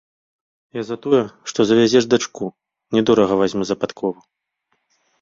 Я за тое, што завязеш дачку, не дорага вазьму за падкову.